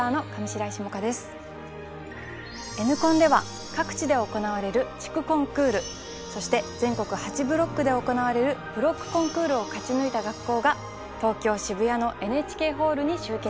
Ｎコンでは各地で行われる地区コンクールそして全国８ブロックで行われるブロックコンクールを勝ち抜いた学校が東京渋谷のＮＨＫホールに集結！